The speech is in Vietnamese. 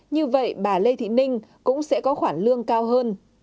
như vậy bà lê thị ninh cũng sẽ có khoản lương cao hơn